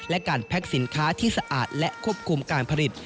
และการแพ็คสินค้าที่สะอาดและควบคุมการผลิต